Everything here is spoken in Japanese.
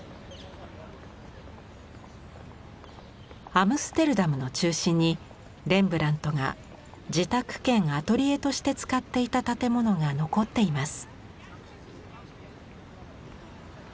アムステルダムの中心にレンブラントが自宅兼アトリエとして使っていた建物が残っています。